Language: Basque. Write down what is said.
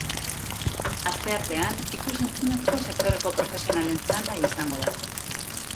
Asteartean ikus-entzunezko sektoreko profesionalen txanda izango da.